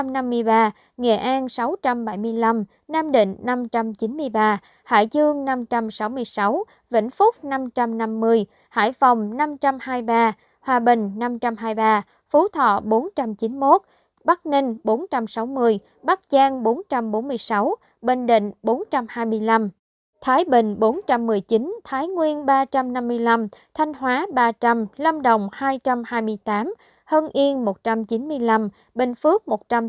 nghệ an sáu trăm bảy mươi năm nam định năm trăm chín mươi ba hải dương năm trăm sáu mươi sáu vĩnh phúc năm trăm năm mươi hải phòng năm trăm hai mươi ba hòa bình năm trăm hai mươi ba phú thọ bốn trăm chín mươi một bắc ninh bốn trăm sáu mươi bắc giang bốn trăm bốn mươi sáu bình định bốn trăm hai mươi năm thái bình bốn trăm một mươi chín thái nguyên ba trăm năm mươi năm thanh hóa ba trăm linh lâm đồng hai trăm hai mươi tám hân yên một trăm chín mươi năm bình phước một trăm năm mươi năm